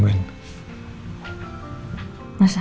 aku pijetin kepala nya ya